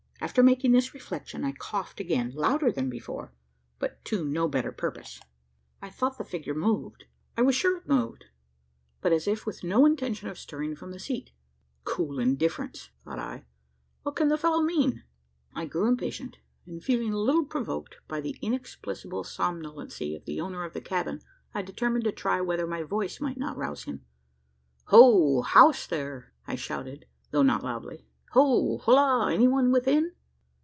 After making this reflection, I coughed again louder than before; but to no better purpose! I thought the figure moved. I was sure it moved; but as if with no intention of stirring from the seat! "Cool indifference!" thought I "what can the fellow mean?" I grew impatient; and, feeling a little provoked by the inexplicable somnolency of the owner of the cabin, I determined to try whether my voice might not rouse him. "Ho! house, there!" I shouted, though not loudly; "ho! holloa! any one within?"